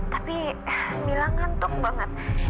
tapi mila ngantuk banget